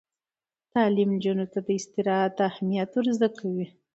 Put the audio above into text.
تعلیم نجونو ته د استراحت اهمیت ور زده کوي.